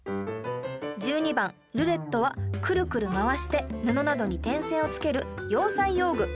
１２番ルレットはクルクル回して布などに点線を付ける洋裁用具